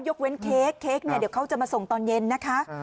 ยกเว้นเค้กเค้กเนี่ยเดี๋ยวเขาจะมาส่งตอนเย็นนะคะ